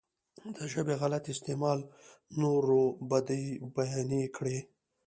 د ژبې غلط استعمال نورو بدۍ بيانې کړي.